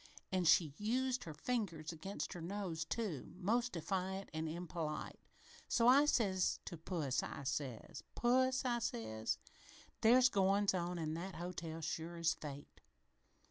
An' she used her fingers against her nose, too, most defiant and impolite. So I says to puss I says, 'Puss,' I says, 'there's goin's on in that hotel, sure as fate.